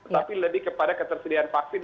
tapi lebih kepada ketersediaan vaksin